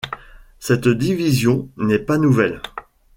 Cette division n’est pas nouvelle.